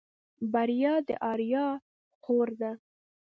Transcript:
بريا د آريا خور ده.